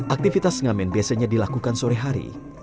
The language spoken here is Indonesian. aktivitas ngamen biasanya dilakukan sore hari